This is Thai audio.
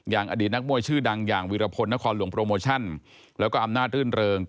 อดีตนักมวยชื่อดังอย่างวิรพลนครหลวงโปรโมชั่นแล้วก็อำนาจรื่นเริง